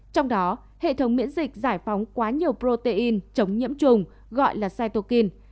trong đó hệ thống miễn dịch giải phóng quá nhiều protein chống nhiễm trùng gọi là cytokine